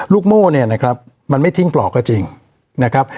โม่เนี่ยนะครับมันไม่ทิ้งปลอกก็จริงนะครับ